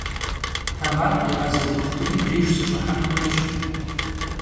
Temakh yê'eze doxutırım dêjj sış'ıhen xuêyş.